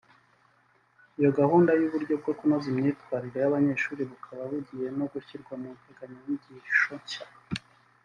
Iyo gahunda y’ uburyo bwo kunoza imyitwarire y’ abanyeshuri bukaba bugiye no gushyirwa munteganyanyigisho nshya